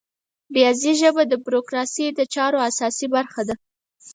د ریاضي ژبه د بروکراسي د چارو اساسي برخه ده.